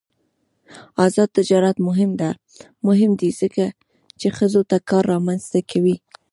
آزاد تجارت مهم دی ځکه چې ښځو ته کار رامنځته کوي.